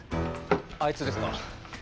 あいつですか？